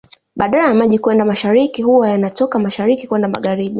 Badala ya maji kwenda mashariki huwa yana toka mashariki kwenda magharibi